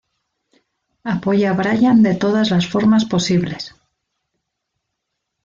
Apoya Brian de todas las formas posibles.